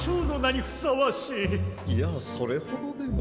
いやそれほどでも。